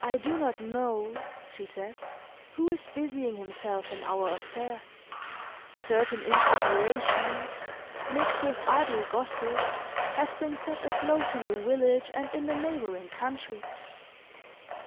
"I do not know," she said, "who is busying himself in our affairs; certain insinuations, mixed with idle gossip, have been set afloat in the village and in the neighboring country.